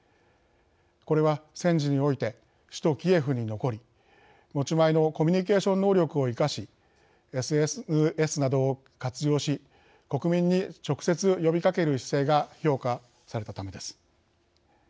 これは戦時において首都キエフに残り、持ち前のコミュニケーション能力を生かしＳＮＳなどを活用し国民に直接呼びかける姿勢が評価されたためです。